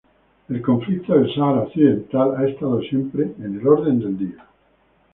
El conflicto del Sáhara Occidental ha estado siempre en el orden del día.